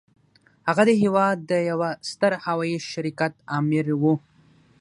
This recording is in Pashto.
هغه د هېواد د يوه ستر هوايي شرکت آمر و.